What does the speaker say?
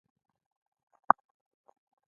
د بیان ازادي مهمه ده ځکه چې د فکر ازادي ساتي.